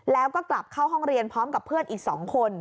แล้วก็กลับเข้าห้องเรียนพร้อมกับเพื่อนอีก๒คน